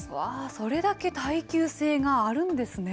それだけ耐久性があるんですね。